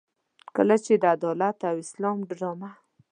کله چې د عدالت او اسلام ډرامه.